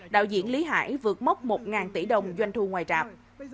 đạo diễn lý hải vượt mốc một tỷ đồng doanh thu ngoài rạp